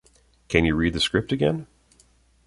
Can you read the script again?